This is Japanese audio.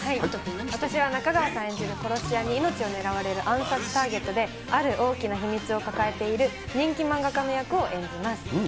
私は中川さん演じる殺し屋に命を狙われる暗殺ターゲットで、ある大きな秘密を抱えている人気漫画家の役を演じます。